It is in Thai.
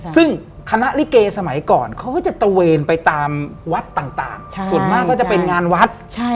ซึ่งคณะลิเกสมัยก่อนเขาก็จะตระเวนไปตามวัดต่างส่วนมากก็จะเป็นงานวัด